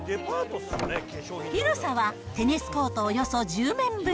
広さはテニスコートおよそ１０面分。